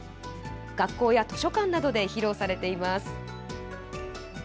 学校や図書館などで披露されています。